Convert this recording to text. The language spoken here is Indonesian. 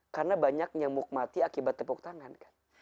karena banyak nyamuk mati akibat tepuk tangan kan